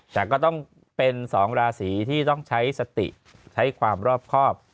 แต่ก็ต้องเป็น๒ราศีที่ต้องใช้สติใช้ความรอบครอบ